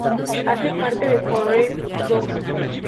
Hace parte del Corredor Rojo.